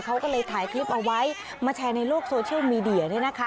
เขาก็เลยถ่ายคลิปเอาไว้มาแชร์ในโลกโซเชียลมีเดีย